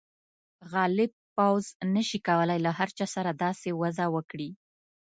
غالب پوځ نه شي کولای له هر چا سره داسې وضعه وکړي.